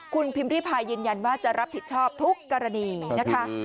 คุณพิมพิพายยืนยันว่าจะรับผิดชอบทุกกรณีนะคะ